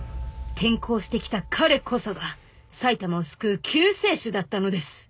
転校してきた彼こそが埼玉を救う救世主だったのです。